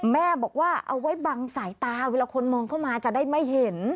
แม่บอกว่าเอาไว้บังสายตาเวลาคนมองเข้ามาจะได้ไม่เห็น